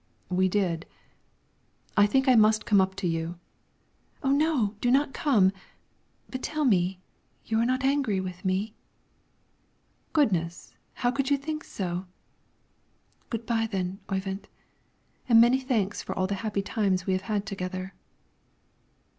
"We did. I think I must come up to you!" "Oh, no! do not come! But tell me: you are not angry with me?" "Goodness! how could you think so?" "Good by, then, Oyvind, and my thanks for all the happy times we have had together!"